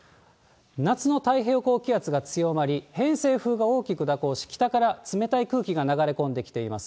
夏の太平洋高気圧が強まり、偏西風が大きく蛇行し、北から冷たい空気が流れ込んできています。